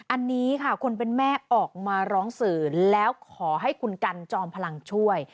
อันนี้ค่ะคนเป็นแม่ออกมาร้องสื่อแล้วขอให้คุณกันจอมพลังช่วย